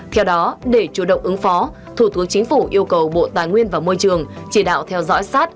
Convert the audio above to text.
theo đó để chủ động ứng phó thủ tướng chính phủ yêu cầu bộ tài nguyên và môi trường chỉ đạo theo dõi sát